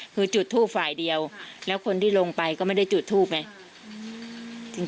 คือจุดทูปฝ่ายเดียวแล้วคนที่ลงไปก็ไม่ได้จุดทูปไง